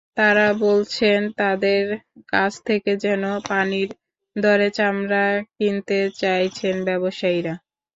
তাঁরা বলছেন, তাঁদের কাছ থেকে যেন পানির দরে চামড়া কিনতে চাইছেন ব্যবসায়ীরা।